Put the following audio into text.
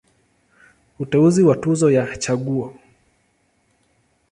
Uteuzi wa Tuzo ya Chaguo.